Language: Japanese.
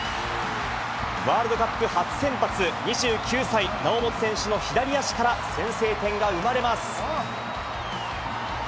ワールドカップ初先発、２９歳の猶本選手の左足から先制点が生まれます。